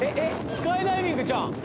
スカイダイビングちゃうん？